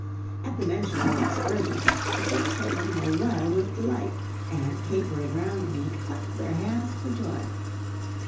At the mention of an excursion, the four children were wild with delight, and capering around me, clapped their hands for joy.